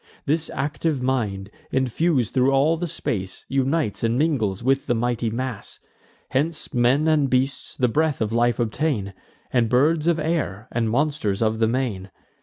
This active mind, infus'd thro' all the space, Unites and mingles with the mighty mass. Hence men and beasts the breath of life obtain, And birds of air, and monsters of the main.